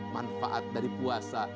manfaat dari puasa